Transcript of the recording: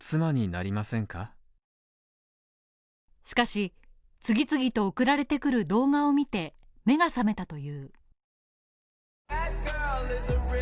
しかし、次々と送られてくる動画を見て目が覚めたという。